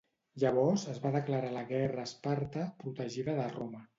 Llavors es va declarar la guerra a Esparta, protegida de Roma.